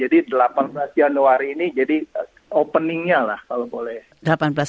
jadi delapan belas januari ini jadi openingnya lah